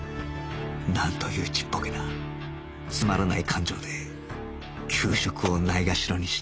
なんというちっぽけなつまらない感情で給食をないがしろにしたのだ